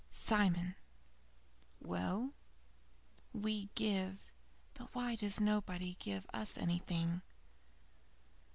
"Simon!" "Well?" "We give; but why does nobody give us anything?"